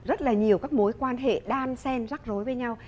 rất là nhiều các mối quan hệ đan sen rắc rối với nhau